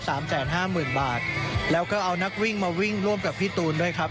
สามแสนห้าหมื่นบาทแล้วก็เอานักวิ่งมาวิ่งร่วมกับพี่ตูนด้วยครับ